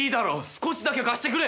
少しだけ貸してくれ。